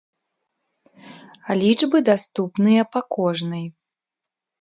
Лічбы даступныя па кожнай.